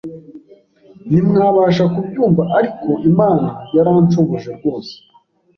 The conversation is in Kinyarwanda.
ntimwabasha kubyumva ariko Imana yaranshoboje rwose